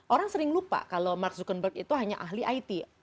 orang sering lupa kalau mark zuckerberg itu hanya ahli it